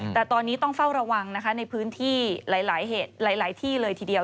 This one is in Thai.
แต่ตอนนี้ต้องเฝ้าระวังในพื้นที่หลายที่เลยทีเดียว